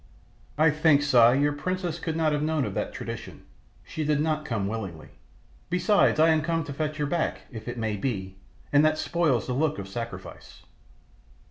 "I think, Si, your princess could not have known of that tradition; she did not come willingly. Besides, I am come to fetch her back, if it may be, and that spoils the look of sacrifice."